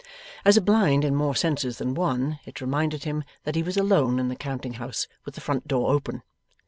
As a blind in more senses than one, it reminded him that he was alone in the counting house with the front door open.